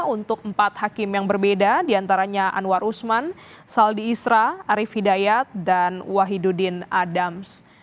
untuk empat hakim yang berbeda diantaranya anwar usman saldi isra arief hidayat dan wahidudin adams